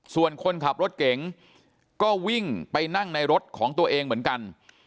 ส่วนคนขับรถเก๋งก็วิ่งไปนั่งในรถของตัวเองเหมือนกัน